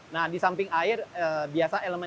nah di samping air biasa elemen